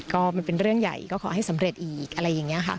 ก็มันเป็นเรื่องใหญ่ก็ขอให้สำเร็จอีกอะไรอย่างนี้ค่ะ